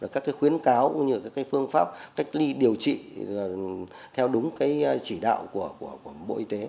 các khuyến cáo cũng như các phương pháp cách ly điều trị theo đúng chỉ đạo của bộ y tế